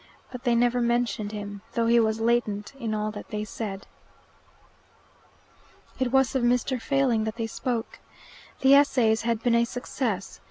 But they never mentioned him, though he was latent in all that they said. It was of Mr. Failing that they spoke. The Essays had been a success.